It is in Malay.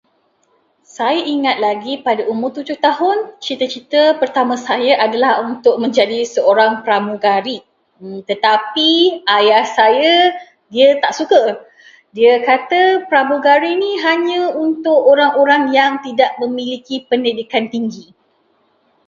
Saya ingat lagi pada umur tujuh tahun, cita-cita pertama saya adalah untuk menjadi seorang pramugari. Tetapi ayah saya dia tak suka. Dia kata pramugari ni hanya untuk orang yang tidak memiliki pendidikan tinggi.